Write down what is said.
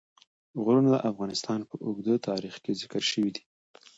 غرونه د افغانستان په اوږده تاریخ کې ذکر شوی دی.